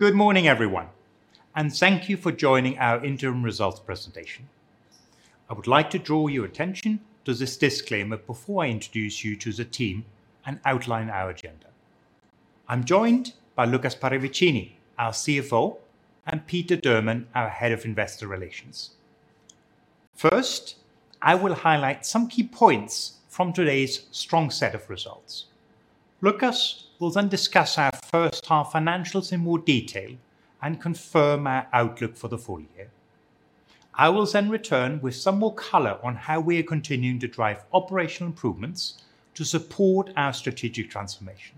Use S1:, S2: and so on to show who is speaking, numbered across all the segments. S1: Good morning, everyone, and thank you for joining our interim results presentation. I would like to draw your attention to this disclaimer before I introduce you to the team and outline our agenda. I'm joined by Lukas Paravicini, our CFO, and Peter Durman, our head of investor relations. First, I will highlight some key points from today's strong set of results. Lucas will then discuss our first half financials in more detail and confirm our outlook for the full year. I will then return with some more color on how we are continuing to drive operational improvements to support our strategic transformation.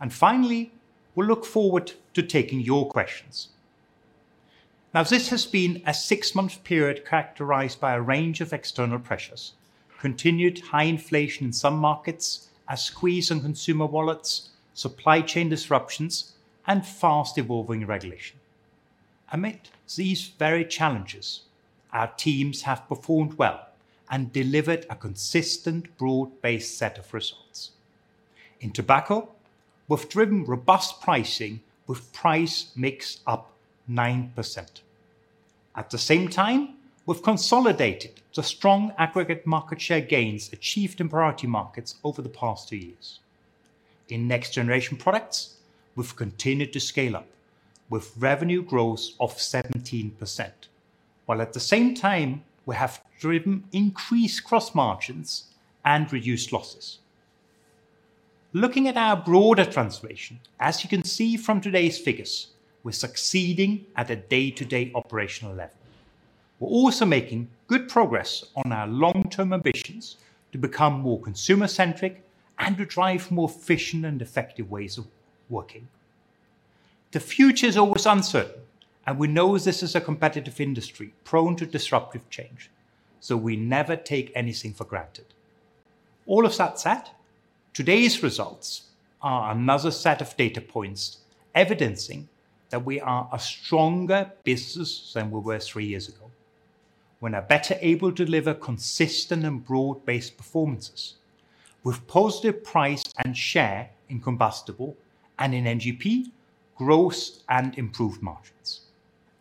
S1: And finally, we'll look forward to taking your questions. Now, this has been a six-month period characterized by a range of external pressures: continued high inflation in some markets, a squeeze on consumer wallets, supply chain disruptions, and fast-evolving regulation. Amidst these very challenges, our teams have performed well and delivered a consistent, broad-based set of results. In tobacco, we've driven robust pricing with price mix up 9%. At the same time, we've consolidated the strong aggregate market share gains achieved in priority markets over the past two years. In next-generation products, we've continued to scale up with revenue growth of 17%, while at the same time, we have driven increased gross margins and reduced losses. Looking at our broader transformation, as you can see from today's figures, we're succeeding at a day-to-day operational level. We're also making good progress on our long-term ambitions to become more consumer-centric and to drive more efficient and effective ways of working. The future is always uncertain, and we know this is a competitive industry prone to disruptive change, so we never take anything for granted. All of that said, today's results are another set of data points evidencing that we are a stronger business than we were three years ago. We're now better able to deliver consistent and broad-based performances with positive price and share in combustible and in NGP, growth, and improved margins.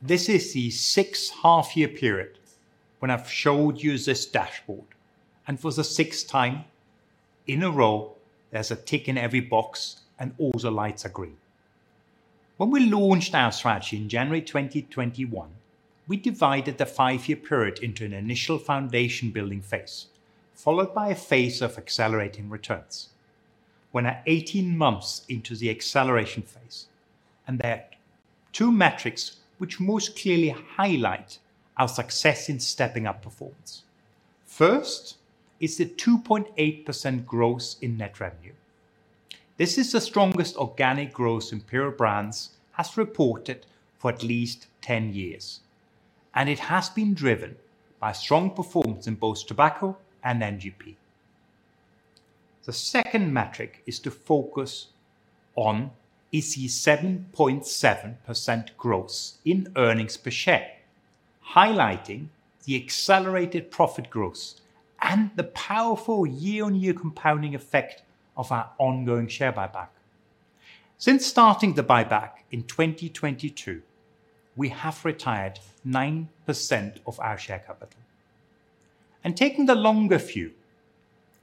S1: This is the sixth half-year period when I've showed you this dashboard. And for the sixth time in a row, there's a tick in every box, and all the lights are green. When we launched our strategy in January 2021, we divided the five-year period into an initial foundation-building phase, followed by a phase of accelerating returns. We're now 18 months into the acceleration phase, and there are two metrics which most clearly highlight our success in stepping up performance. First is the 2.8% growth in net revenue. This is the strongest organic growth Imperial Brands has reported for at least 10 years, and it has been driven by strong performance in both tobacco and NGP. The second metric to focus on is the 7.7% growth in earnings per share, highlighting the accelerated profit growth and the powerful year-on-year compounding effect of our ongoing share buyback. Since starting the buyback in 2022, we have retired 9% of our share capital. Taking the longer view,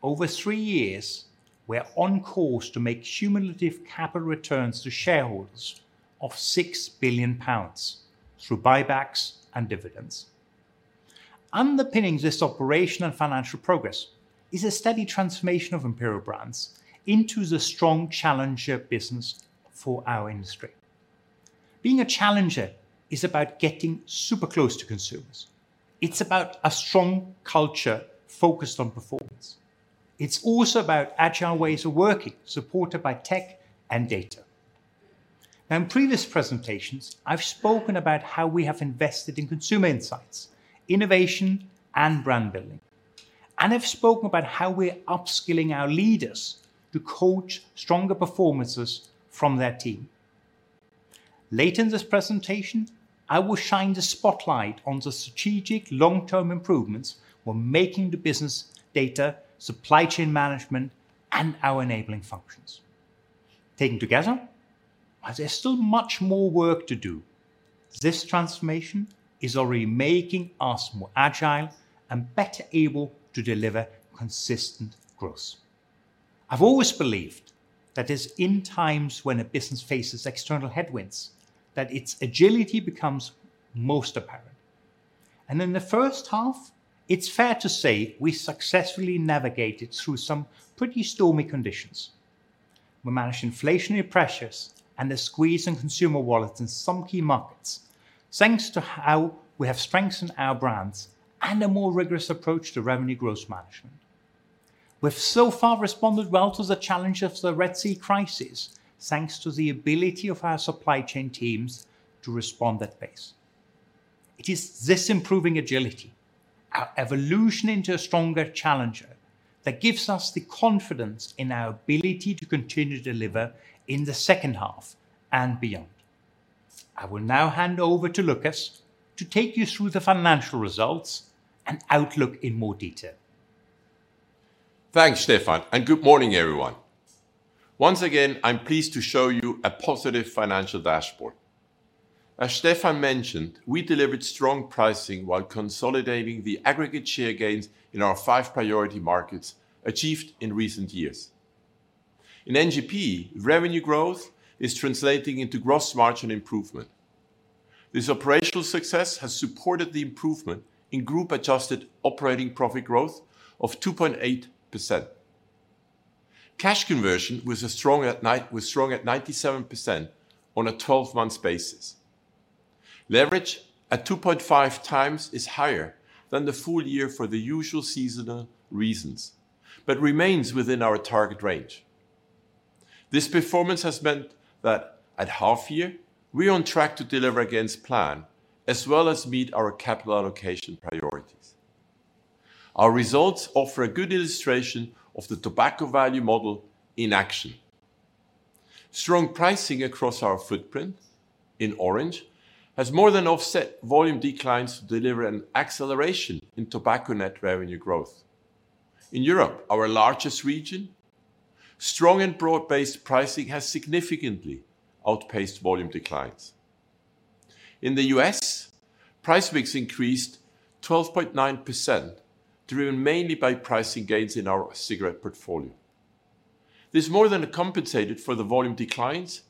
S1: over three years, we're on course to make cumulative capital returns to shareholders of 6 billion pounds through buybacks and dividends. Underpinning this operational and financial progress is a steady transformation of Imperial Brands into the strong challenger business for our industry. Being a challenger is about getting super close to consumers. It's about a strong culture focused on performance. It's also about agile ways of working supported by tech and data. Now, in previous presentations, I've spoken about how we have invested in consumer insights, innovation, and brand building. And I've spoken about how we're upskilling our leaders to coach stronger performances from their team. Later in this presentation, I will shine the spotlight on the strategic long-term improvements we're making to business data, supply chain management, and our enabling functions. Taken together, while there's still much more work to do, this transformation is already making us more agile and better able to deliver consistent growth. I've always believed that it's in times when a business faces external headwinds that its agility becomes most apparent. And in the first half, it's fair to say we successfully navigated through some pretty stormy conditions. We managed inflationary pressures and the squeeze on consumer wallets in some key markets, thanks to how we have strengthened our brands and a more rigorous approach to revenue growth management. We've so far responded well to the challenge of the Red Sea crisis, thanks to the ability of our supply chain teams to respond at pace. It is this improving agility, our evolution into a stronger challenger, that gives us the confidence in our ability to continue to deliver in the second half and beyond. I will now hand over to Lucas to take you through the financial results and outlook in more detail.
S2: Thanks, Stefan, and good morning, everyone. Once again, I'm pleased to show you a positive financial dashboard. As Stefan mentioned, we delivered strong pricing while consolidating the aggregate share gains in our five priority markets achieved in recent years. In NGP, revenue growth is translating into gross margin improvement. This operational success has supported the improvement in group-adjusted operating profit growth of 2.8%. Cash conversion was strong at 97% on a 12-month basis. Leverage at 2.5x is higher than the full year for the usual seasonal reasons, but remains within our target range. This performance has meant that at half-year, we're on track to deliver against plan as well as meet our capital allocation priorities. Our results offer a good illustration of the tobacco value model in action. Strong pricing across our footprint, in orange, has more than offset volume declines to deliver an acceleration in tobacco net revenue growth. In Europe, our largest region, strong and broad-based pricing has significantly outpaced volume declines. In the U.S., price mix increased 12.9%, driven mainly by pricing gains in our cigarette portfolio. This more than compensated for the volume declines,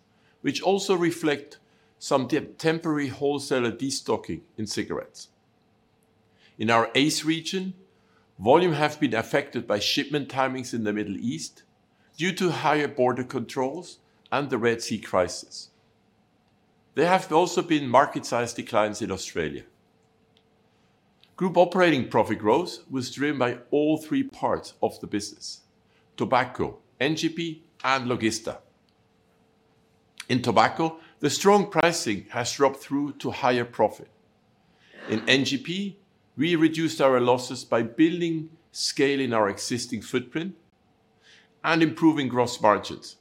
S2: which also reflect some temporary wholesale destocking in cigarettes. In our ACE region, volume has been affected by shipment timings in the Middle East due to higher border controls and the Red Sea crisis. There have also been market-sized declines in Australia. Group operating profit growth was driven by all three parts of the business: tobacco, NGP, and Logista. In tobacco, the strong pricing has dropped through to higher profit. In NGP, we reduced our losses by building scale in our existing footprint and improving gross margins.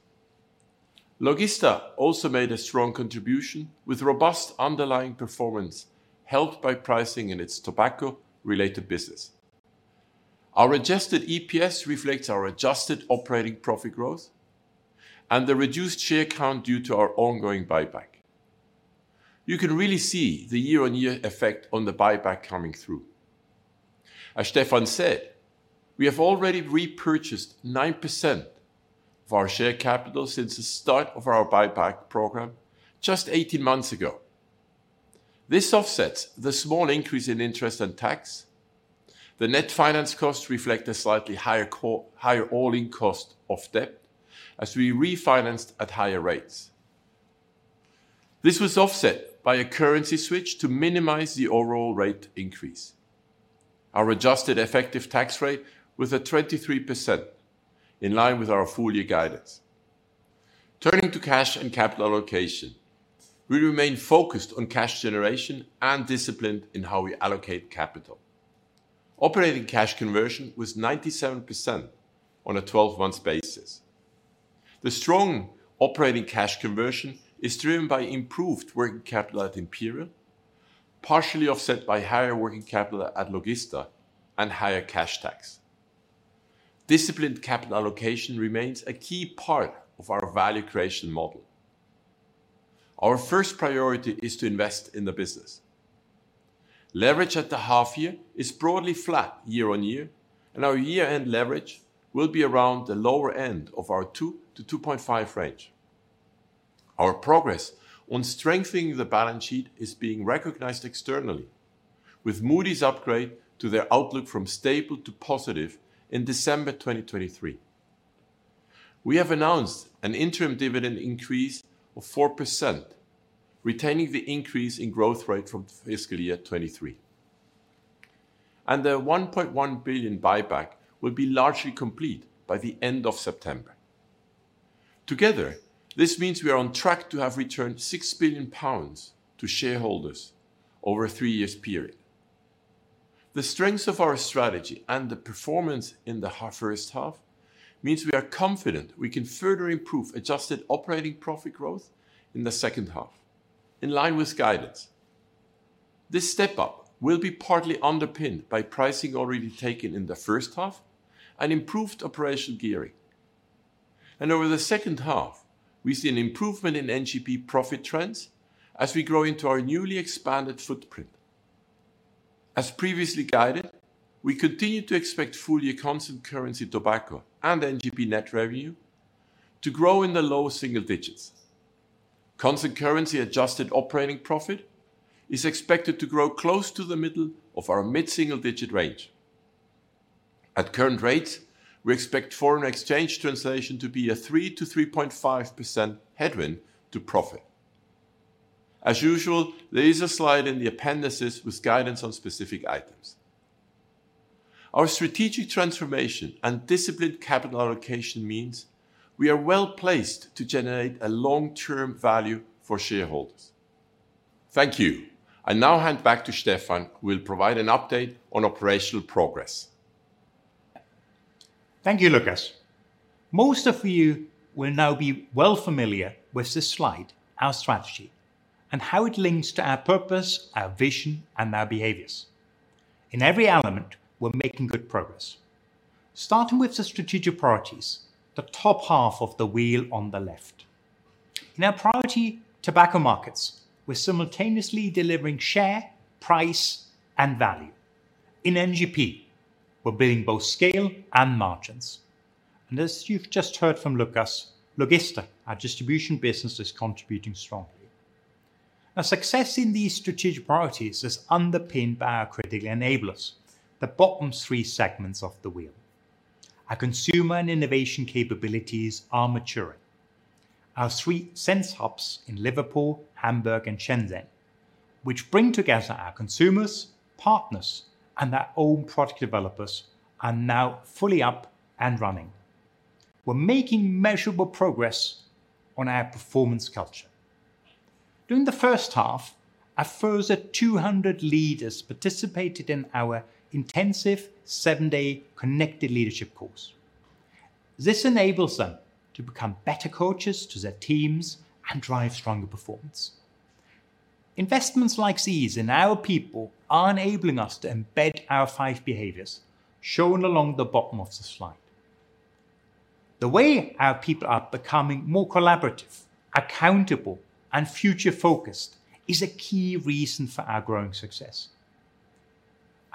S2: Logista also made a strong contribution with robust underlying performance helped by pricing in its tobacco-related business. Our adjusted EPS reflects our adjusted operating profit growth and the reduced share count due to our ongoing buyback. You can really see the year-on-year effect on the buyback coming through. As Stefan said, we have already repurchased 9% of our share capital since the start of our buyback program just 18 months ago. This offsets the small increase in interest and tax. The net finance costs reflect a slightly higher all-in cost of debt as we refinanced at higher rates. This was offset by a currency switch to minimize the overall rate increase. Our adjusted effective tax rate was at 23%, in line with our full-year guidance. Turning to cash and capital allocation, we remain focused on cash generation and disciplined in how we allocate capital. Operating cash conversion was 97% on a 12-month basis. The strong operating cash conversion is driven by improved working capital at Imperial, partially offset by higher working capital at Logista and higher cash tax. Disciplined capital allocation remains a key part of our value creation model. Our first priority is to invest in the business. Leverage at the half-year is broadly flat year-on-year, and our year-end leverage will be around the lower end of our 2%-2.5% range. Our progress on strengthening the balance sheet is being recognized externally, with Moody's upgrade to their outlook from stable to positive in December 2023. We have announced an interim dividend increase of 4%, retaining the increase in growth rate from fiscal year 2023. The 1.1 billion buyback will be largely complete by the end of September. Together, this means we are on track to have returned 6 billion pounds to shareholders over a three-year period. The strength of our strategy and the performance in the first half means we are confident we can further improve adjusted operating profit growth in the second half, in line with guidance. This step up will be partly underpinned by pricing already taken in the first half and improved operational gearing. And over the second half, we see an improvement in NGP profit trends as we grow into our newly expanded footprint. As previously guided, we continue to expect full-year constant currency tobacco and NGP net revenue to grow in the low single digits. Constant currency adjusted operating profit is expected to grow close to the middle of our mid-single digit range. At current rates, we expect foreign exchange translation to be a 3%-3.5% headwind to profit. As usual, there is a slide in the appendices with guidance on specific items. Our strategic transformation and disciplined capital allocation means we are well placed to generate a long-term value for shareholders. Thank you. I now hand back to Stefan, who will provide an update on operational progress.
S1: Thank you, Lucas. Most of you will now be well familiar with this slide, our strategy, and how it links to our purpose, our vision, and our behaviors. In every element, we're making good progress. Starting with the strategic priorities, the top half of the wheel on the left. In our priority tobacco markets, we're simultaneously delivering share, price, and value. In NGP, we're building both scale and margins. And as you've just heard from Lucas, Logista, our distribution business, is contributing strongly. Now, success in these strategic priorities is underpinned by our critical enablers, the bottom three segments of the wheel. Our consumer and innovation capabilities are maturing. Our three Sense Hubs in Liverpool, Hamburg, and Shenzhen, which bring together our consumers, partners, and our own product developers, are now fully up and running. We're making measurable progress on our performance culture. During the first half, a further 200 leaders participated in our intensive seven-day Connected Leadership course. This enables them to become better coaches to their teams and drive stronger performance. Investments like these in our people are enabling us to embed our five behaviors, shown along the bottom of the slide. The way our people are becoming more collaborative, accountable, and future-focused is a key reason for our growing success.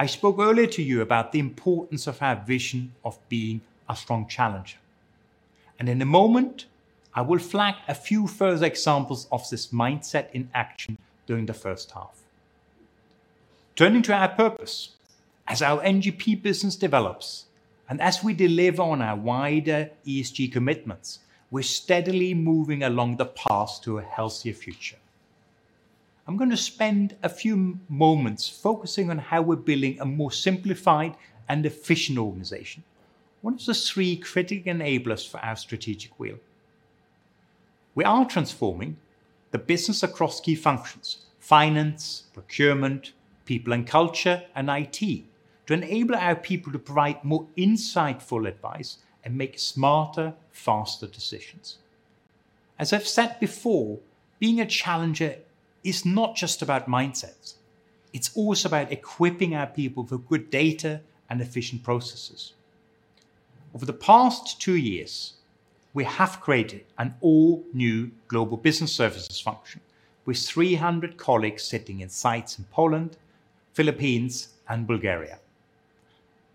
S1: I spoke earlier to you about the importance of our vision of being a strong challenger. In a moment, I will flag a few further examples of this mindset in action during the first half. Turning to our purpose, as our NGP business develops and as we deliver on our wider ESG commitments, we're steadily moving along the path to a healthier future. I'm going to spend a few moments focusing on how we're building a more simplified and efficient organization, one of the three critical enablers for our strategic wheel. We are transforming the business across key functions: finance, procurement, people and culture, and IT, to enable our people to provide more insightful advice and make smarter, faster decisions. As I've said before, being a challenger is not just about mindsets. It's also about equipping our people with good data and efficient processes. Over the past two years, we have created an all-new Global Business Services function with 300 colleagues sitting in sites in Poland, Philippines, and Bulgaria.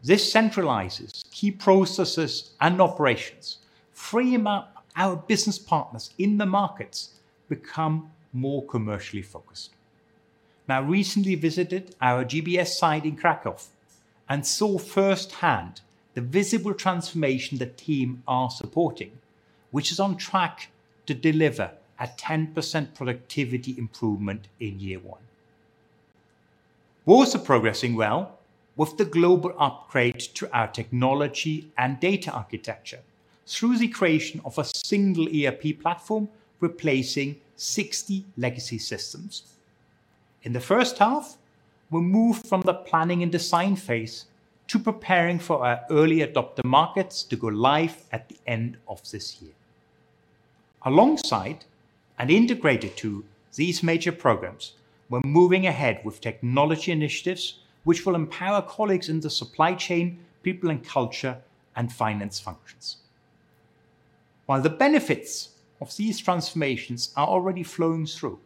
S1: This centralizes key processes and operations, freeing up our business partners in the markets to become more commercially focused. Now, I recently visited our GBS site in Kraków and saw firsthand the visible transformation the team are supporting, which is on track to deliver a 10% productivity improvement in year one. We're also progressing well with the global upgrade to our technology and data architecture through the creation of a single ERP platform replacing 60 legacy systems. In the first half, we moved from the planning and design phase to preparing for our early adopter markets to go live at the end of this year. Alongside and integrated to these major programs, we're moving ahead with technology initiatives which will empower colleagues in the supply chain, people and culture, and finance functions. While the benefits of these transformations are already flowing through,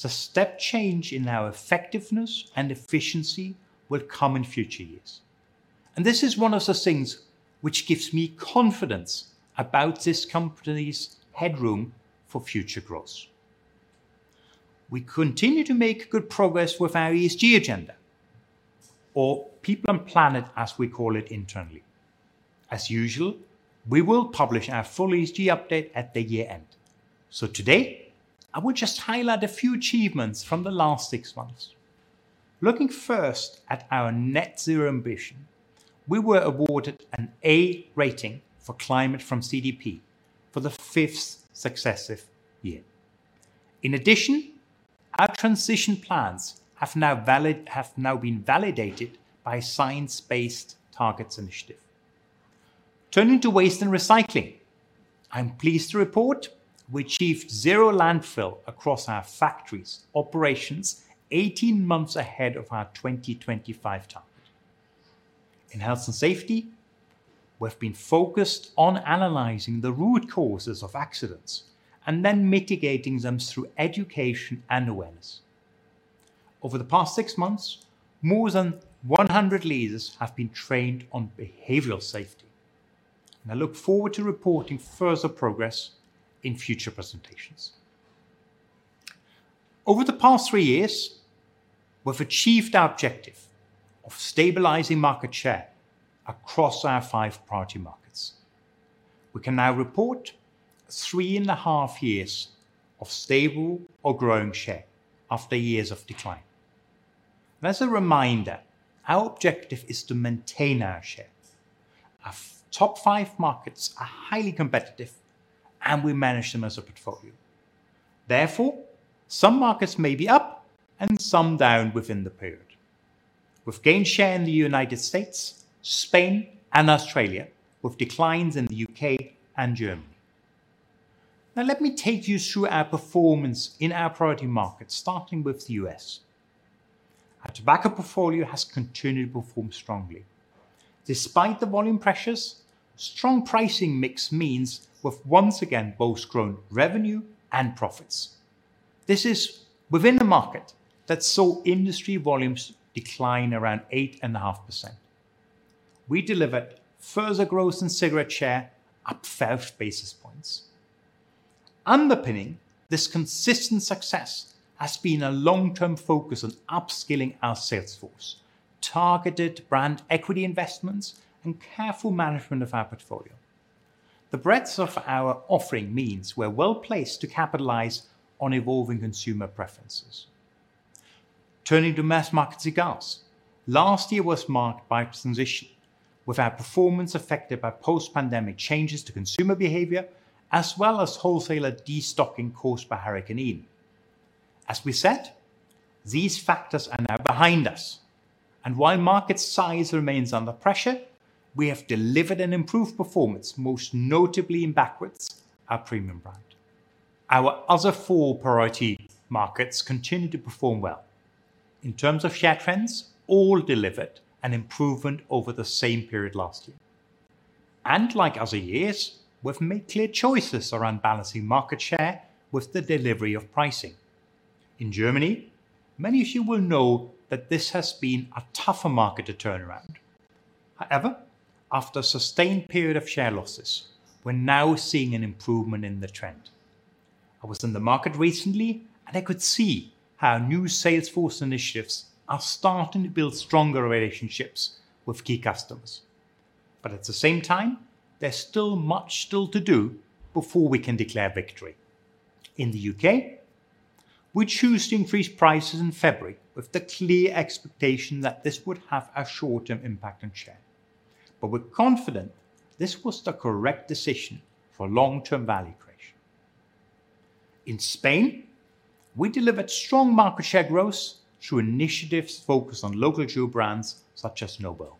S1: the step change in our effectiveness and efficiency will come in future years. This is one of the things which gives me confidence about this company's headroom for future growth. We continue to make good progress with our ESG agenda, or People and Planet, as we call it internally. As usual, we will publish our full ESG update at the year end. Today, I will just highlight a few achievements from the last six months. Looking first at our net zero ambition, we were awarded an A rating for climate from CDP for the fifth successive year. In addition, our transition plans have now been validated by a Science Based Targets initiative. Turning to waste and recycling, I'm pleased to report we achieved zero landfill across our factories' operations 18 months ahead of our 2025 target. In health and safety, we've been focused on analyzing the root causes of accidents and then mitigating them through education and awareness. Over the past six months, more than 100 leaders have been trained on behavioral safety. I look forward to reporting further progress in future presentations. Over the past three years, we've achieved our objective of stabilizing market share across our five priority markets. We can now report 3.5 years of stable or growing share after years of decline. As a reminder, our objective is to maintain our share. Our top five markets are highly competitive, and we manage them as a portfolio. Therefore, some markets may be up and some down within the period. We've gained share in the United States, Spain, and Australia with declines in the UK and Germany. Now, let me take you through our performance in our priority markets, starting with the US. Our tobacco portfolio has continued to perform strongly. Despite the volume pressures, strong pricing mix means we've once again both grown revenue and profits. This is within the market that saw industry volumes decline around 8.5%. We delivered further growth in cigarette share up 12 basis points. Underpinning this consistent success has been a long-term focus on upskilling our sales force, targeted brand equity investments, and careful management of our portfolio. The breadth of our offering means we're well placed to capitalize on evolving consumer preferences. Turning to mass market cigars, last year was marked by transition, with our performance affected by post-pandemic changes to consumer behavior as well as wholesaler destocking caused by Hurricane Ian. As we said, these factors are now behind us. And while market size remains under pressure, we have delivered an improved performance, most notably in Backwoods, our premium brand. Our other four priority markets continue to perform well. In terms of share trends, all delivered an improvement over the same period last year. Like other years, we've made clear choices around balancing market share with the delivery of pricing. In Germany, many of you will know that this has been a tougher market to turn around. However, after a sustained period of share losses, we're now seeing an improvement in the trend. I was in the market recently, and I could see how new sales force initiatives are starting to build stronger relationships with key customers. But at the same time, there's still much to do before we can declare victory. In the UK, we chose to increase prices in February with the clear expectation that this would have a short-term impact on share. But we're confident this was the correct decision for long-term value creation. In Spain, we delivered strong market share growth through initiatives focused on local jewel brands such as Nobel.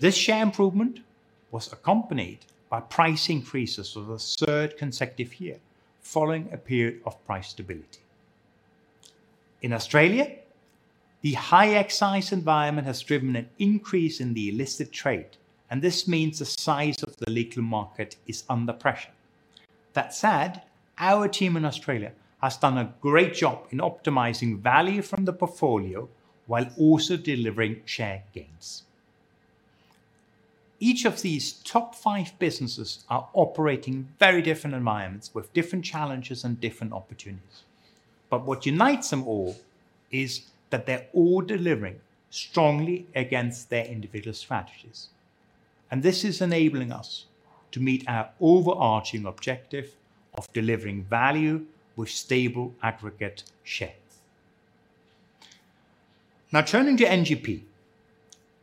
S1: This share improvement was accompanied by price increases for the third consecutive year following a period of price stability. In Australia, the high excise environment has driven an increase in the illicit trade. And this means the size of the legal market is under pressure. That said, our team in Australia has done a great job in optimizing value from the portfolio while also delivering share gains. Each of these top five businesses are operating in very different environments with different challenges and different opportunities. But what unites them all is that they're all delivering strongly against their individual strategies. And this is enabling us to meet our overarching objective of delivering value with stable aggregate share. Now, turning to NGP,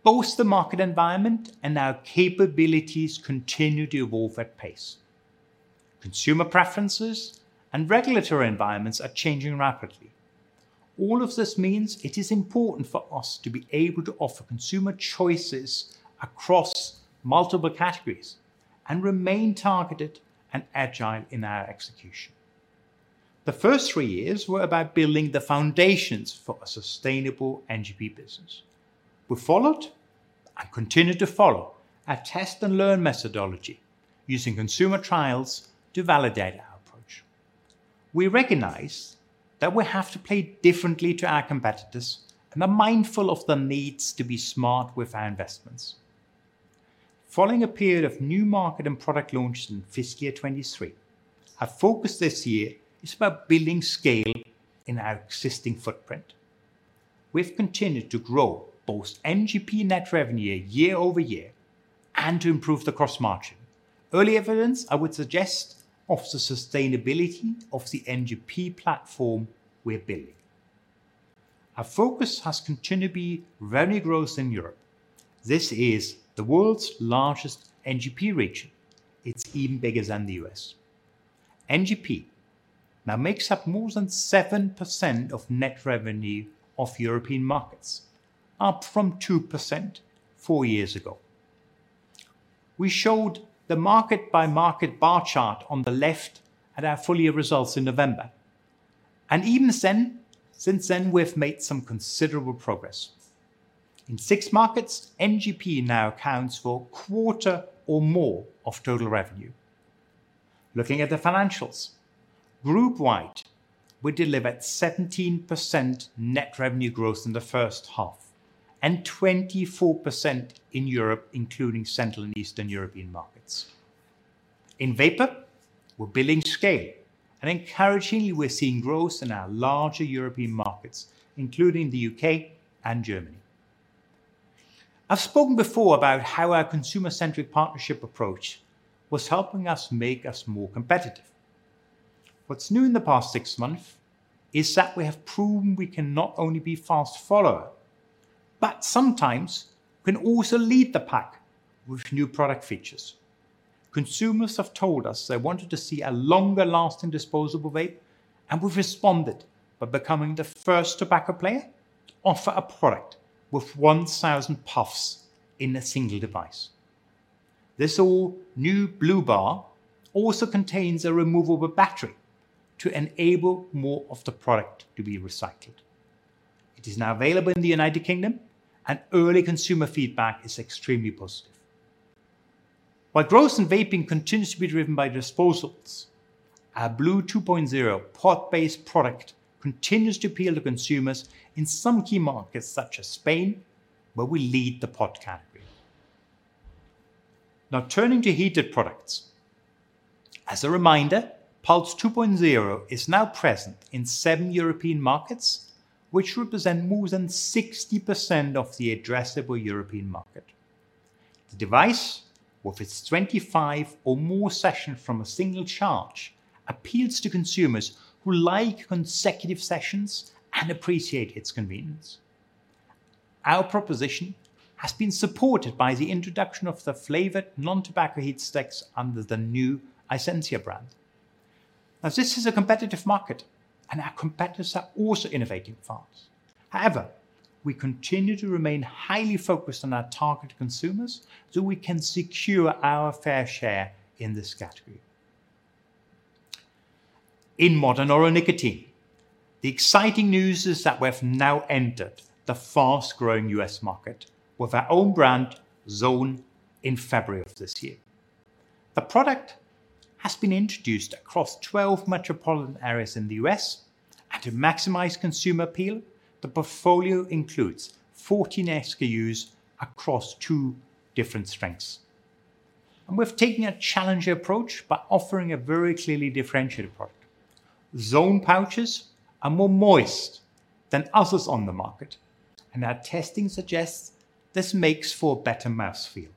S1: both the market environment and our capabilities continue to evolve at pace. Consumer preferences and regulatory environments are changing rapidly. All of this means it is important for us to be able to offer consumer choices across multiple categories and remain targeted and agile in our execution. The first three years were about building the foundations for a sustainable NGP business. We followed and continue to follow our test and learn methodology using consumer trials to validate our approach. We recognize that we have to play differently to our competitors and are mindful of the needs to be smart with our investments. Following a period of new market and product launches in fiscal year 2023, our focus this year is about building scale in our existing footprint. We've continued to grow both NGP net revenue year over year and to improve the cross margin, early evidence, I would suggest, of the sustainability of the NGP platform we're building. Our focus has continued to be revenue growth in Europe. This is the world's largest NGP region. It's even bigger than the US. NGP now makes up more than 7% of net revenue of European markets, up from 2% four years ago. We showed the market-by-market bar chart on the left at our full year results in November. Even since, we've made some considerable progress. In six markets, NGP now accounts for a quarter or more of total revenue. Looking at the financials, group-wide, we delivered 17% net revenue growth in the first half and 24% in Europe, including Central and Eastern European markets. In vapor, we're building scale. Encouragingly, we're seeing growth in our larger European markets, including the UK and Germany. I've spoken before about how our consumer-centric partnership approach was helping us make us more competitive. What's new in the past six months is that we have proven we can not only be fast followers, but sometimes we can also lead the pack with new product features. Consumers have told us they wanted to see a longer-lasting disposable vape. We've responded by becoming the first tobacco player to offer a product with 1,000 puffs in a single device. This all-new blu bar also contains a removable battery to enable more of the product to be recycled. It is now available in the United Kingdom. Early consumer feedback is extremely positive. While growth in vaping continues to be driven by disposables, our blu 2.0 pod-based product continues to appeal to consumers in some key markets such as Spain, where we lead the pod category. Now, turning to heated products, as a reminder, Pulze 2.0 is now present in 7 European markets, which represent more than 60% of the addressable European market. The device, with its 25 or more sessions from a single charge, appeals to consumers who like consecutive sessions and appreciate its convenience. Our proposition has been supported by the introduction of the flavored non-tobacco heat sticks under the new iSenzia brand. Now, this is a competitive market. Our competitors are also innovating fast. However, we continue to remain highly focused on our target consumers so we can secure our fair share in this category. In modern oral nicotine, the exciting news is that we've now entered the fast-growing U.S. market with our own brand, Zone, in February of this year. The product has been introduced across 12 metropolitan areas in the U.S. To maximize consumer appeal, the portfolio includes 14 SKUs across two different strengths. We've taken a challenging approach by offering a very clearly differentiated product. Zone pouches are more moist than others on the market. Our testing suggests this makes for a better mouthfeel.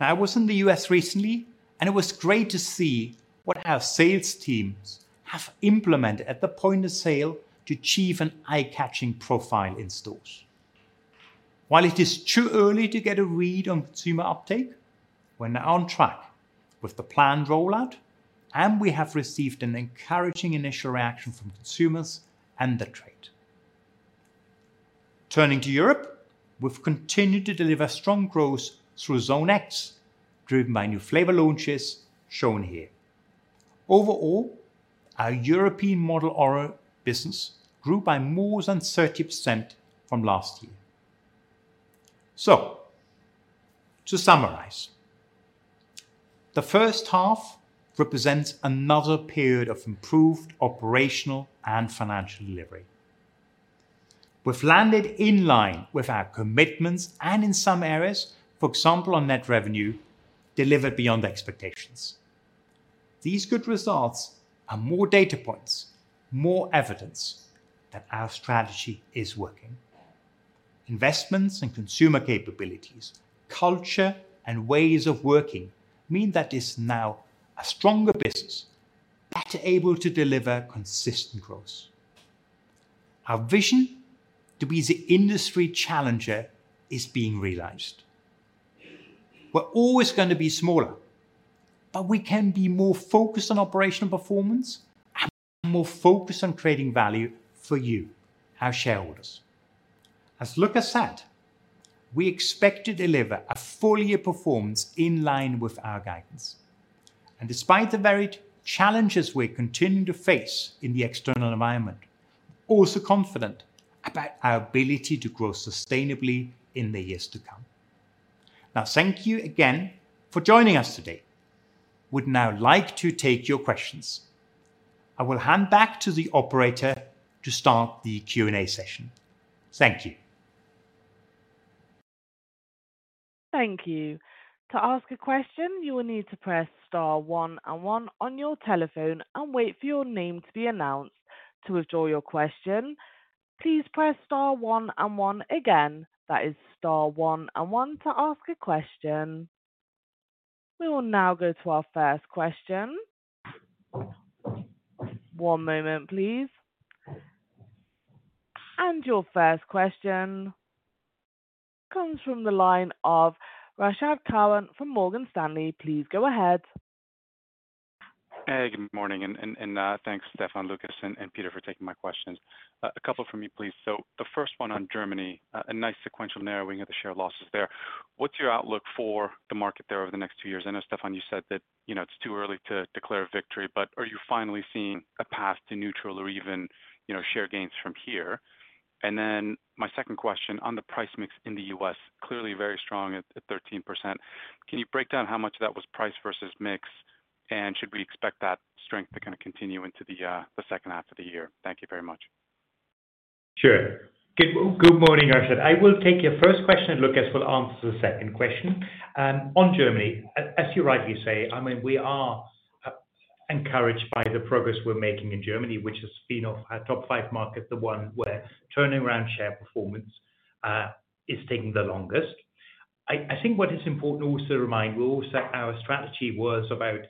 S1: Now, I was in the U.S. recently. It was great to see what our sales teams have implemented at the point of sale to achieve an eye-catching profile in stores. While it is too early to get a read on consumer uptake, we're now on track with the planned rollout. We have received an encouraging initial reaction from consumers and the trade. Turning to Europe, we've continued to deliver strong growth through Zone X, driven by new flavor launches shown here. Overall, our European modern oral business grew by more than 30% from last year. So to summarize, the first half represents another period of improved operational and financial delivery. We've landed in line with our commitments and in some areas, for example, on net revenue, delivered beyond expectations. These good results are more data points, more evidence that our strategy is working. Investments in consumer capabilities, culture, and ways of working mean that it's now a stronger business, better able to deliver consistent growth. Our vision to be the industry challenger is being realized. We're always going to be smaller. But we can be more focused on operational performance and more focused on creating value for you, our shareholders. As Lucas said, we expect to deliver a full-year performance in line with our guidance. Despite the varied challenges we're continuing to face in the external environment, we're also confident about our ability to grow sustainably in the years to come. Now, thank you again for joining us today. We'd now like to take your questions. I will hand back to the operator to start the Q&A session. Thank you.
S3: Thank you. To ask a question, you will need to press star 1 and 1 on your telephone and wait for your name to be announced to withdraw your question. Please press star 1 and 1 again. That is star 1 and 1 to ask a question. We will now go to our first question. One moment, please. Your first question comes from the line of Rashad Kawan from Morgan Stanley. Please go ahead.
S4: Good morning. Thanks, Stefan, Lucas, and Peter for taking my questions. A couple from me, please. So the first one on Germany, a nice sequential narrowing of the share losses there. What's your outlook for the market there over the next two years? I know, Stefan, you said that it's too early to declare victory. But are you finally seeing a path to neutral or even share gains from here? And then my second question on the price mix in the U.S., clearly very strong at 13%. Can you break down how much of that was price versus mix? And should we expect that strength to kind of continue into the second half of the year? Thank you very much.
S1: Sure. Good morning, Rashad. I will take your first question. Lucas will answer the second question. On Germany, as you rightly say, I mean, we are encouraged by the progress we're making in Germany, which has been of our top five markets, the one where turning around share performance is taking the longest. I think what is important also to remind our strategy was about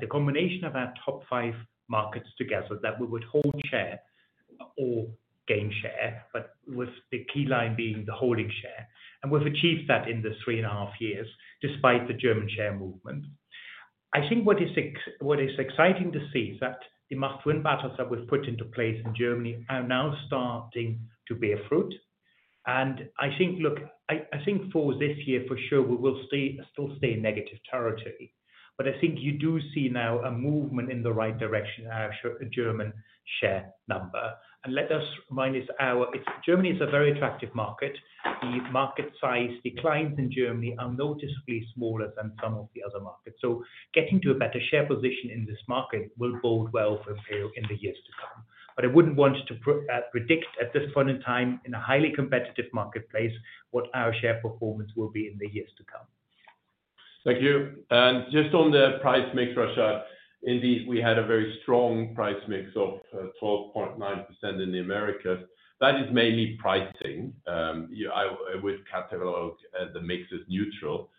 S1: the combination of our top five markets together, that we would hold share or gain share, but with the key line being the holding share. We've achieved that in the three and a half years, despite the German share movement. I think what is exciting to see is that the must-win battles that we've put into place in Germany are now starting to bear fruit. I think, look, I think for this year, for sure, we will still stay in negative territory. I think you do see now a movement in the right direction in our German share number. Let us remind you, Germany is a very attractive market. The market size declines in Germany are noticeably smaller than some of the other markets. Getting to a better share position in this market will bode well for Imperial in the years to come. I wouldn't want to predict at this point in time, in a highly competitive marketplace, what our share performance will be in the years to come.
S2: Thank you. Just on the price mix, Rashad, indeed, we had a very strong price mix of 12.9% in the Americas. That is mainly pricing. I would catalog the mix as neutral.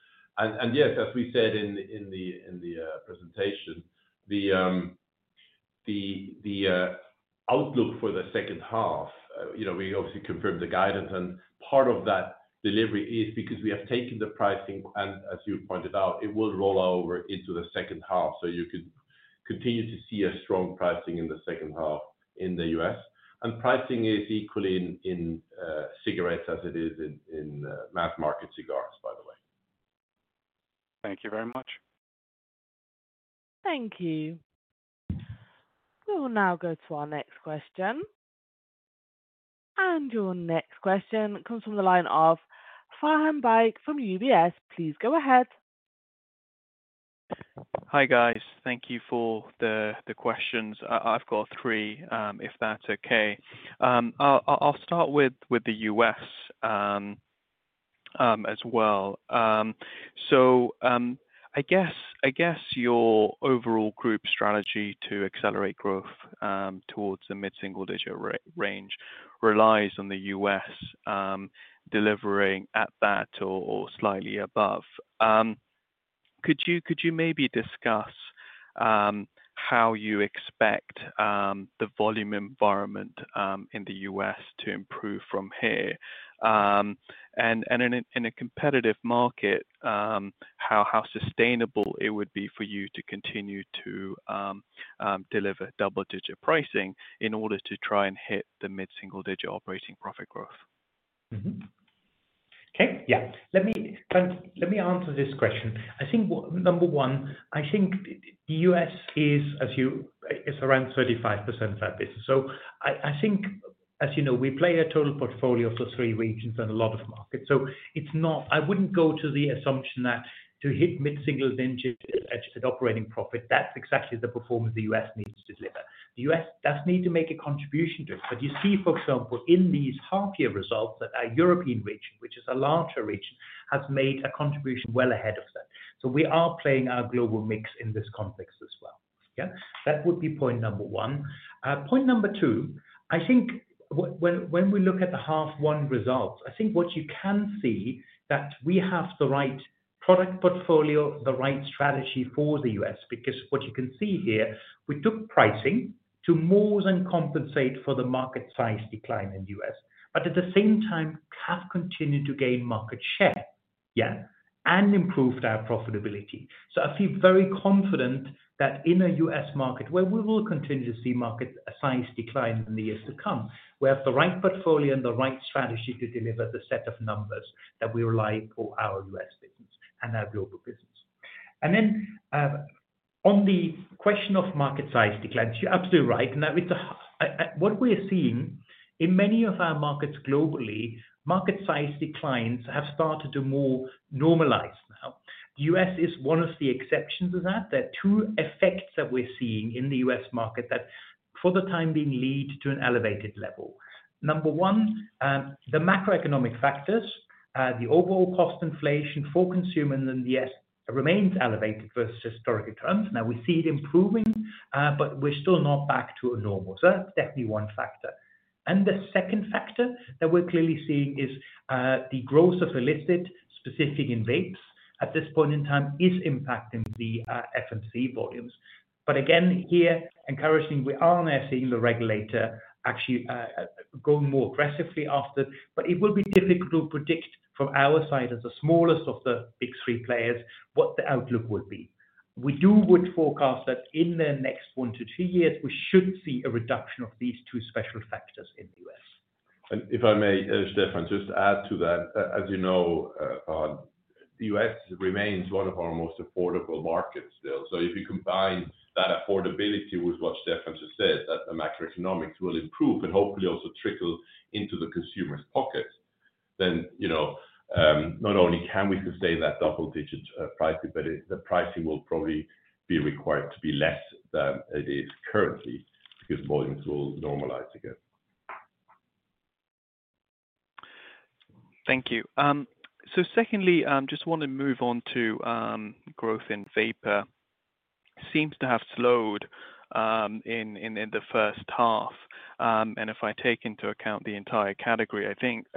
S2: Yes, as we said in the presentation, the outlook for the second half, we obviously confirmed the guidance. Part of that delivery is because we have taken the pricing. As you pointed out, it will roll over into the second half. So you could continue to see a strong pricing in the second half in the US. Pricing is equally in cigarettes as it is in mass market cigars, by the way. Thank you very much.
S3: Thank you. We will now go to our next question. Your next question comes from the line of Faham Baig from UBS. Please go ahead.
S5: Hi, guys. Thank you for the questions. I've got three, if that's OK. I'll start with the U.S. as well. So I guess your overall group strategy to accelerate growth towards the mid-single digit range relies on the U.S. delivering at that or slightly above. Could you maybe discuss how you expect the volume environment in the U.S. to improve from here? And in a competitive market, how sustainable it would be for you to continue to deliver double-digit pricing in order to try and hit the mid-single digit operating profit growth?
S1: OK. Yeah. Let me answer this question. I think, number one, I think the U.S. is around 35% of our business. So I think, as you know, we play a total portfolio of the three regions and a lot of markets. So I wouldn't go to the assumption that to hit mid-single digit at operating profit, that's exactly the performance the U.S. needs to deliver. The U.S. does need to make a contribution to it. But you see, for example, in these half-year results that our European region, which is a larger region, has made a contribution well ahead of that. So we are playing our global mix in this context as well. Yeah? That would be point number one. Point number two, I think when we look at the half one results, I think what you can see is that we have the right product portfolio, the right strategy for the U.S. Because what you can see here, we took pricing to more than compensate for the market size decline in the U.S., but at the same time, have continued to gain market share, yeah, and improved our profitability. So I feel very confident that in a U.S. market where we will continue to see market size decline in the years to come, we have the right portfolio and the right strategy to deliver the set of numbers that we rely on for our U.S. business and our global business. And then on the question of market size declines, you're absolutely right. Now, what we are seeing in many of our markets globally, market size declines have started to more normalize now. The U.S. is one of the exceptions to that. There are two effects that we're seeing in the U.S. market that, for the time being, lead to an elevated level. Number one, the macroeconomic factors, the overall cost inflation for consumers in the U.S. remains elevated versus historical terms. Now, we see it improving. But we're still not back to a normal. So that's definitely one factor. And the second factor that we're clearly seeing is the growth of illicit, specifically in vapes at this point in time is impacting the FMC volumes. But again, here, encouraging, we are now seeing the regulator actually going more aggressively after it. It will be difficult to predict from our side as the smallest of the big three players what the outlook will be. We do forecast that in the next 1-2 years, we should see a reduction of these two special factors in the US.
S2: If I may, Stefan, just add to that. As you know, the U.S. remains one of our most affordable markets still. So if you combine that affordability with what Stefan just said, that the macroeconomics will improve and hopefully also trickle into the consumer's pockets, then not only can we sustain that double-digit pricing, but the pricing will probably be required to be less than it is currently because volumes will normalize again.
S5: Thank you. So secondly, I just want to move on to growth in vapor. It seems to have slowed in the first half. If I take into account the entire category, I think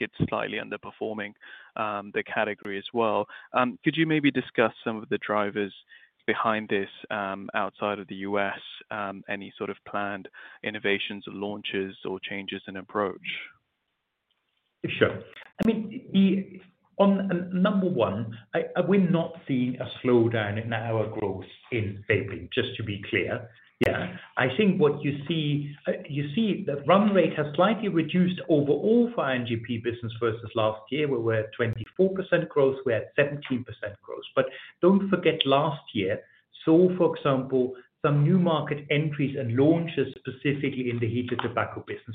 S5: it's slightly underperforming the category as well. Could you maybe discuss some of the drivers behind this outside of the U.S., any sort of planned innovations or launches or changes in approach?
S1: Sure. I mean, number one, we're not seeing a slowdown in our growth in vaping, just to be clear, yeah. I think what you see, you see the run rate has slightly reduced overall for NGP business versus last year. We were at 24% growth. We're at 17% growth. But don't forget last year saw, for example, some new market entries and launches specifically in the heated tobacco business.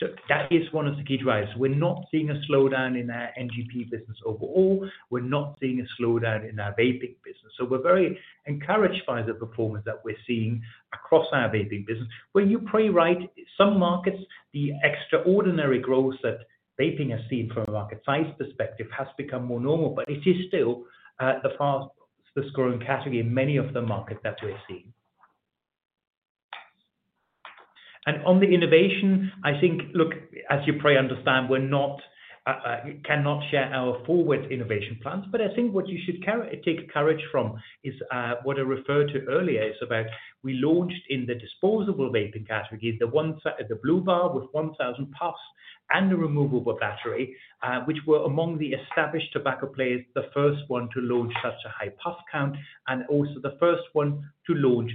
S1: So that is one of the key drivers. We're not seeing a slowdown in our NGP business overall. We're not seeing a slowdown in our vaping business. So we're very encouraged by the performance that we're seeing across our vaping business. Where you're right, some markets, the extraordinary growth that vaping has seen from a market size perspective has become more normal. But it is still the fastest-growing category in many of the markets that we're seeing. On the innovation, I think, look, as you probably understand, we cannot share our forward innovation plans. But I think what you should take courage from is what I referred to earlier. It's about we launched in the disposable vaping category, the blu bar with 1,000 puffs and a removable battery, which were among the established tobacco players the first one to launch such a high puff count and also the first one to launch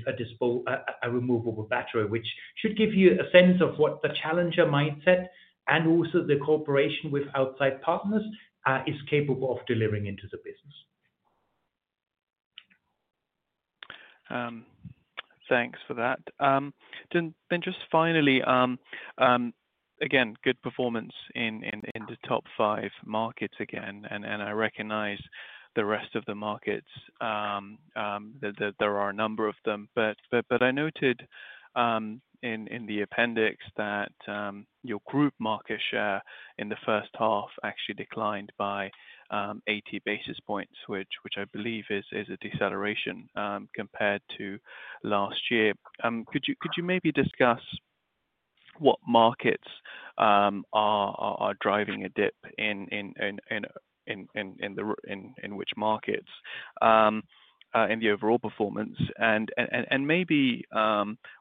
S1: a removable battery, which should give you a sense of what the challenger mindset and also the cooperation with outside partners is capable of delivering into the business.
S5: Thanks for that. Then just finally, again, good performance in the top five markets again. I recognize the rest of the markets. There are a number of them. I noted in the appendix that your group market share in the first half actually declined by 80 basis points, which I believe is a deceleration compared to last year. Could you maybe discuss what markets are driving a dip in which markets in the overall performance and maybe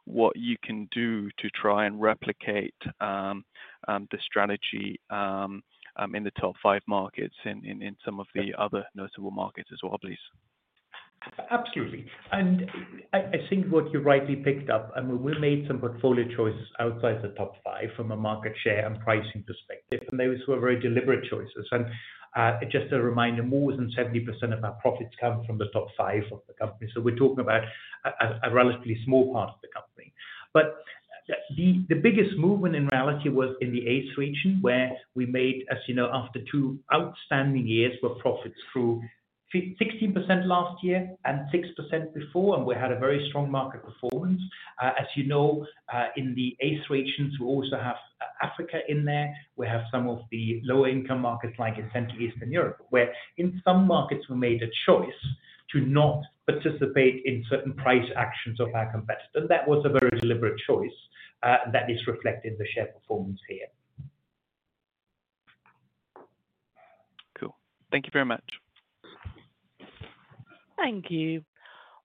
S5: what you can do to try and replicate the strategy in the top five markets in some of the other notable markets as well, please?
S1: Absolutely. And I think what you rightly picked up, I mean, we made some portfolio choices outside the top five from a market share and pricing perspective. And those were very deliberate choices. And just a reminder, more than 70% of our profits come from the top five of the company. So we're talking about a relatively small part of the company. But the biggest movement, in reality, was in the ACE region, where we made, as you know, after two outstanding years, where profits grew 16% last year and 6% before. And we had a very strong market performance. As you know, in the ACE regions, we also have Africa in there. We have some of the lower-income markets like in Central and Eastern Europe, where in some markets, we made a choice to not participate in certain price actions of our competitors. And that was a very deliberate choice. That is reflected in the share performance here.
S5: Cool. Thank you very much.
S3: Thank you.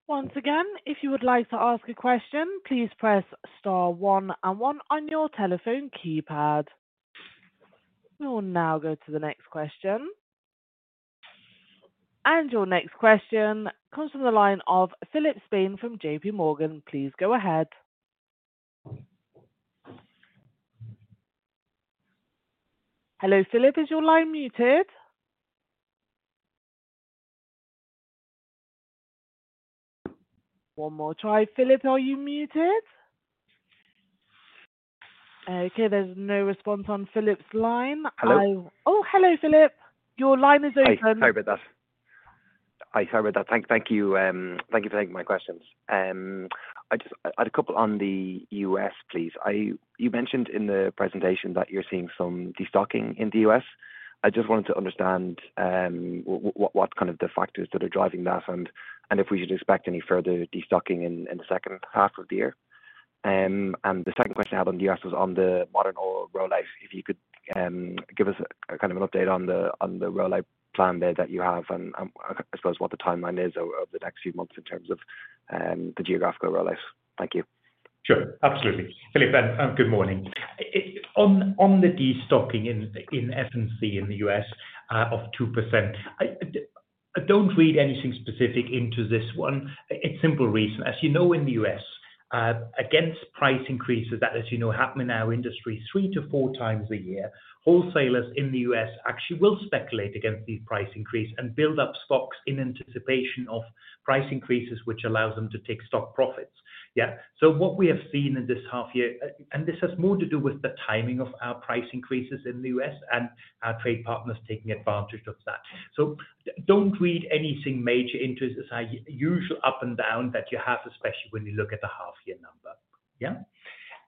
S3: Once again, if you would like to ask a question, please press star 1 and 1 on your telephone keypad. We will now go to the next question. Your next question comes from the line of Philip Spain from J.P. Morgan. Please go ahead. Hello, Philip. Is your line muted? One more try. Philip, are you muted? OK, there's no response on Philip's line.
S6: Hello.
S3: Oh, hello, Philip. Your line is open.
S6: Sorry about that. Sorry about that. Thank you for taking my questions. I had a couple on the US, please. You mentioned in the presentation that you're seeing some destocking in the US. I just wanted to understand what kind of the factors that are driving that and if we should expect any further destocking in the second half of the year. The second question I had on the US was on the modern oral rollout. If you could give us kind of an update on the rollout plan there that you have and, I suppose, what the timeline is over the next few months in terms of the geographical rollout. Thank you.
S1: Sure. Absolutely. Philip, good morning. On the destocking in FMC in the U.S. of 2%, I don't read anything specific into this one for a simple reason. As you know, in the U.S., against price increases that, as you know, happen in our industry three-to-four times a year, wholesalers in the U.S. actually will speculate against these price increases and build up stocks in anticipation of price increases, which allows them to take stock profits, yeah? So what we have seen in this half year and this has more to do with the timing of our price increases in the U.S. and our trade partners taking advantage of that. So don't read anything major into it. It's our usual up and down that you have, especially when you look at the half-year number, yeah?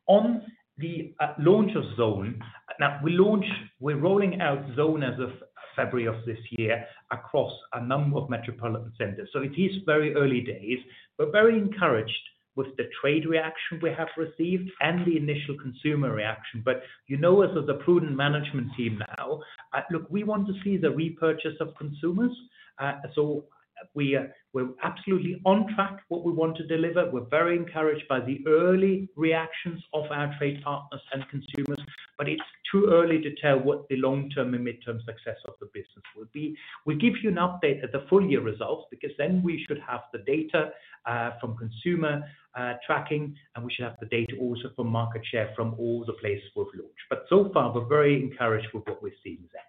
S1: On the launch of Zone now, we're rolling out Zone as of February of this year across a number of metropolitan centers. So it is very early days. We're very encouraged with the trade reaction we have received and the initial consumer reaction. But you know, as the prudent management team now, look, we want to see the repurchase of consumers. So we're absolutely on track with what we want to deliver. We're very encouraged by the early reactions of our trade partners and consumers. But it's too early to tell what the long-term and mid-term success of the business will be. We'll give you an update at the full-year results because then we should have the data from consumer tracking. And we should have the data also from market share from all the places we've launched. But so far, we're very encouraged with what we're seeing there.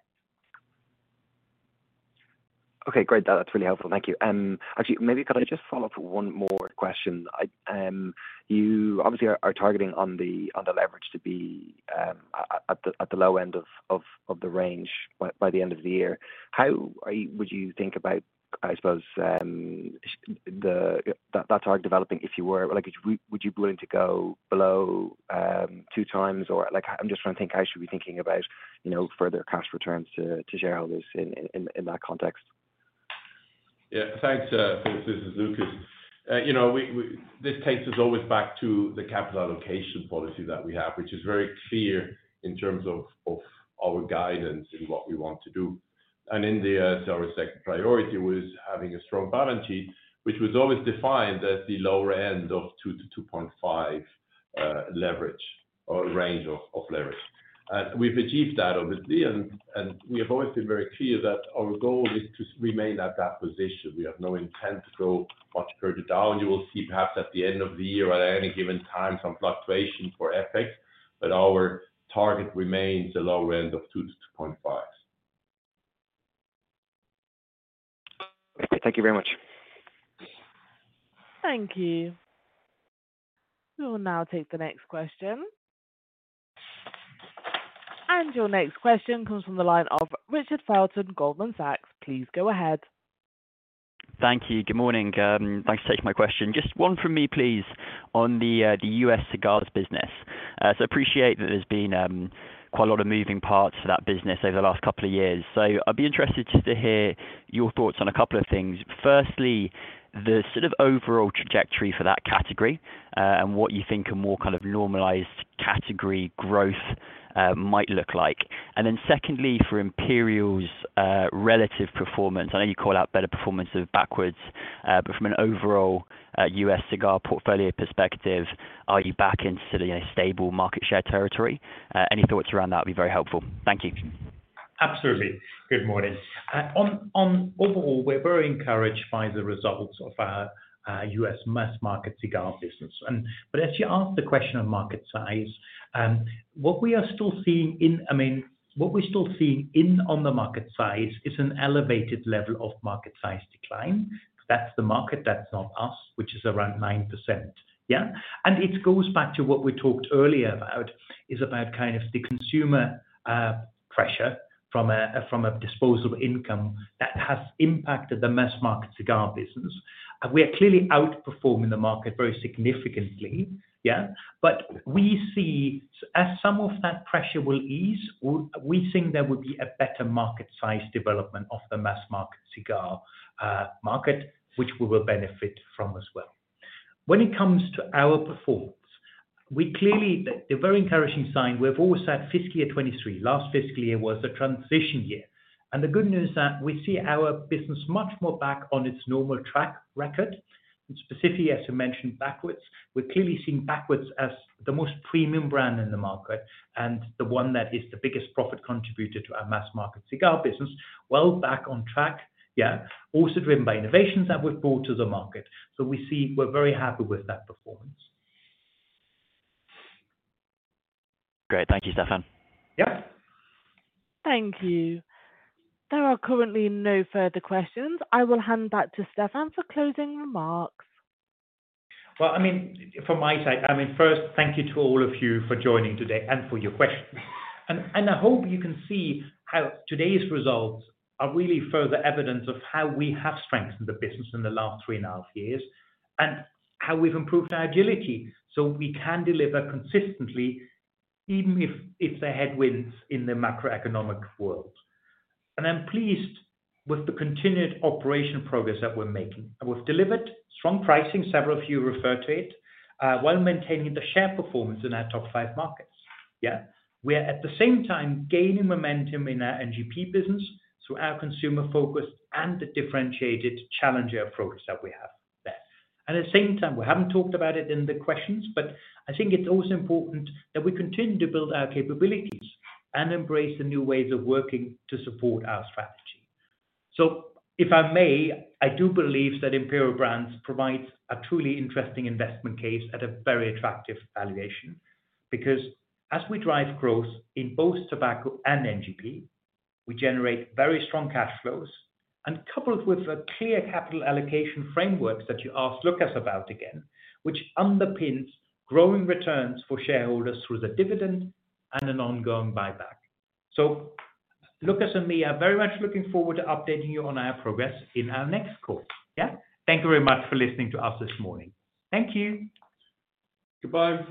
S6: OK, great. That's really helpful. Thank you. Actually, maybe could I just follow up with one more question? You obviously are targeting on the leverage to be at the low end of the range by the end of the year. How would you think about, I suppose, that target developing if you were? Would you be willing to go below 2x? Or I'm just trying to think how should we be thinking about further cash returns to shareholders in that context?
S2: Yeah, thanks, Philip. This is Lucas. You know, this takes us always back to the capital allocation policy that we have, which is very clear in terms of our guidance in what we want to do. In the US, our second priority was having a strong balance sheet, which was always defined as the lower end of 2-2.5 leverage or range of leverage. We've achieved that, obviously. We have always been very clear that our goal is to remain at that position. We have no intent to go much further down. You will see, perhaps at the end of the year or at any given time, some fluctuation for effects. Our target remains the lower end of 2-2.5.
S6: OK, thank you very much.
S3: Thank you. We will now take the next question. Your next question comes from the line of Richard Felton, Goldman Sachs. Please go ahead.
S7: Thank you. Good morning. Thanks for taking my question. Just one from me, please, on the U.S. cigars business. So I appreciate that there's been quite a lot of moving parts for that business over the last couple of years. So I'd be interested just to hear your thoughts on a couple of things. Firstly, the sort of overall trajectory for that category and what you think a more kind of normalized category growth might look like. And then secondly, for Imperial's relative performance I know you call out better performance of Backwoods. But from an overall U.S. cigar portfolio perspective, are you back into sort of stable market share territory? Any thoughts around that would be very helpful. Thank you.
S1: Absolutely. Good morning. Overall, we're very encouraged by the results of our U.S. mass market cigar business. But as you asked the question of market size, what we are still seeing—I mean, what we're still seeing in the market size is an elevated level of market size decline. That's the market. That's not us, which is around 9%, yeah? And it goes back to what we talked earlier about, is about kind of the consumer pressure from a disposable income that has impacted the mass market cigar business. We are clearly outperforming the market very significantly, yeah? But we see, as some of that pressure will ease, we think there will be a better market size development of the mass market cigar market, which we will benefit from as well. When it comes to our performance, we clearly see the very encouraging sign we've always had in fiscal year 2023. Last fiscal year was a transition year. The good news is that we see our business much more back on its normal track record. Specifically, as you mentioned, Backwoods. We're clearly seeing Backwoods as the most premium brand in the market and the one that is the biggest profit contributor to our mass market cigar business, well back on track, yeah, also driven by innovations that we've brought to the market. So we see we're very happy with that performance.
S7: Great. Thank you, Stefan.
S1: Yeah?
S3: Thank you. There are currently no further questions. I will hand back to Stefan for closing remarks.
S1: Well, I mean, from my side, I mean, first, thank you to all of you for joining today and for your questions. I hope you can see how today's results are really further evidence of how we have strengthened the business in the last three and a half years and how we've improved our agility so we can deliver consistently, even if there are headwinds in the macroeconomic world. I'm pleased with the continued operation progress that we're making. We've delivered strong pricing, several of you referred to it, while maintaining the share performance in our top five markets, yeah? We are, at the same time, gaining momentum in our NGP business through our consumer-focused and the differentiated challenger approach that we have there. At the same time, we haven't talked about it in the questions. But I think it's also important that we continue to build our capabilities and embrace the new ways of working to support our strategy. So if I may, I do believe that Imperial Brands provides a truly interesting investment case at a very attractive valuation because, as we drive growth in both tobacco and NGP, we generate very strong cash flows and coupled with a clear capital allocation framework that you asked Lucas about again, which underpins growing returns for shareholders through the dividend and an ongoing buyback. So Lucas and me are very much looking forward to updating you on our progress in our next call, yeah? Thank you very much for listening to us this morning. Thank you.
S2: Goodbye.